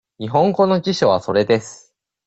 日本語の辞書はそれです。